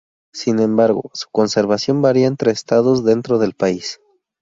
Sin embargo, su conservación varía entre estados dentro del país.